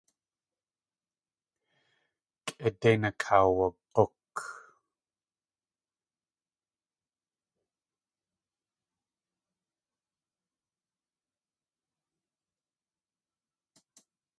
Kʼidéin akaawag̲úk.